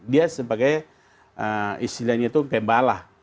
dia sebagai istilahnya itu pembala